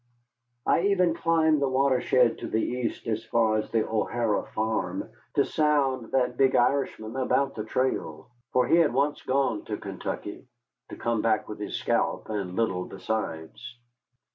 I even climbed the watershed to the east as far as the O'Hara farm, to sound that big Irishman about the trail. For he had once gone to Kentucky, to come back with his scalp and little besides.